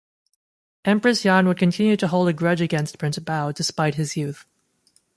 Empress Yan would continue to hold a grudge against Prince Bao, despite his youth.